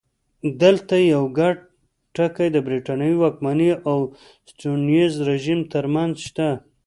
دلته یو ګډ ټکی د برېټانوي واکمنۍ او سټیونز رژیم ترمنځ شته.